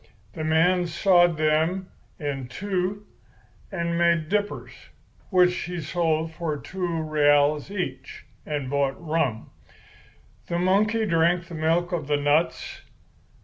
The man sawed them in two and made dippers, which he sold for two reales each and bought rum. The monkey drank the milk of the nuts.